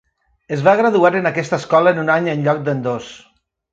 Es va graduar en aquesta escola en un any en lloc d'en dos.